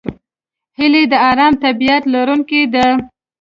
هیلۍ د آرام طبیعت لرونکې ده